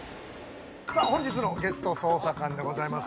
本日のゲスト捜査官でございます。